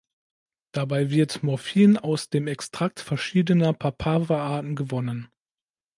Dabei wird Morphin aus dem Extrakt verschiedener Papaver-Arten gewonnen.